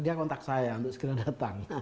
dia kontak saya untuk segera datang